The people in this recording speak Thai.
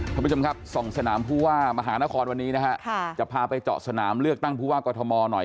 ท่านผู้ชมครับส่องสนามผู้ว่ามหานครวันนี้นะฮะจะพาไปเจาะสนามเลือกตั้งผู้ว่ากอทมหน่อย